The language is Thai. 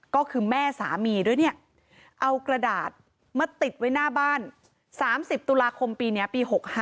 ก็คือแม่สามีด้วยเนี่ยเอากระดาษมาติดไว้หน้าบ้าน๓๐ตุลาคมปีนี้ปี๖๕